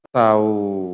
saya tidak tahu